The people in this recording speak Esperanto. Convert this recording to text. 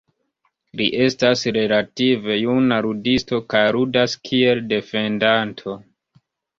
Li estas relative juna ludisto kaj ludas kiel defendanto.